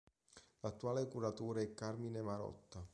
L'attuale curatore è Carmine Marotta.